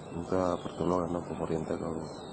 juga pertolongan pemerintah